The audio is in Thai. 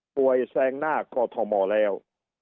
ป่วยแสงหน้ากอทมแล้ว